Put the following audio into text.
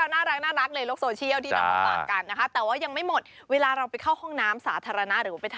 หายใจลึก